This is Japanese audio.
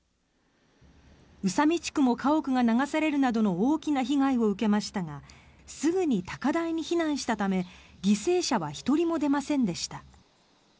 宇佐美地区も家屋が流されるなどの大きな被害を受けましたがすぐに高台に避難したため犠牲者は１人も出ませんでした。